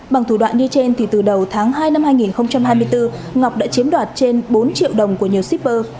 bằng thủ đoạn như trên thì từ đầu tháng hai năm hai nghìn hai mươi bốn ngọc đã chiếm đoạt trên bốn triệu đồng của nhiều shipper